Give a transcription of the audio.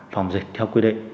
phòng dịch theo quy định